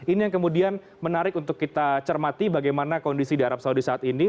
ini yang kemudian menarik untuk kita cermati bagaimana kondisi di arab saudi saat ini